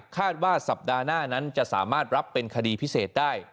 คาดว่าสัปดาห์หน้านั้นจะสามารถรับเป็นคดีพิเศษได้